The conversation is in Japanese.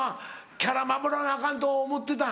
キャラ守らなアカンと思ってたん？